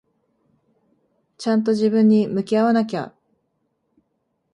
ちゃんと自分に向き合わなきゃ。